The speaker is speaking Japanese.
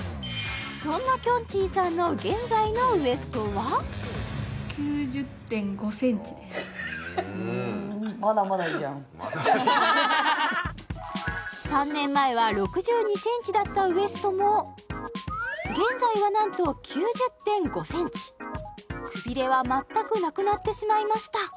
そんなきょんちぃさんの３年前は６２センチだったウエストも現在はなんと９０．５センチくびれは全くなくなってしまいました